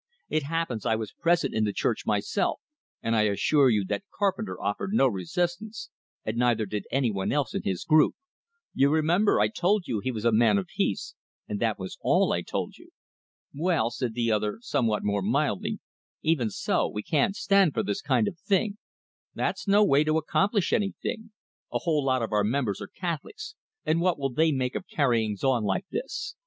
It happens I was present in the church myself, and I assure you that Carpenter offered no resistance, and neither did anyone else in his group. You remember, I told you he was a man of peace, and that was all I told you." "Well," said the other, somewhat more mildly, "even so, we can't stand for this kind of thing. That's no way to accomplish anything. A whole lot of our members are Catholics, and what will they make of carryings on like this?